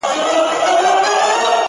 تڼاکي زړه چي د ښکلا په جزيرو کي بند دی!